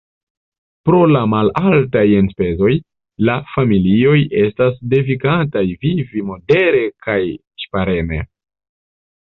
Pro la malaltaj enspezoj, la familioj estas devigataj vivi modere kaj ŝpareme.